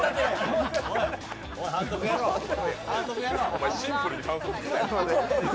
お前、シンプルに反則。